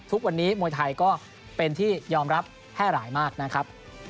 ทุกวันนี้มวยไทยก็เป็นที่ยอมรับแพร่หลายมากนะครับ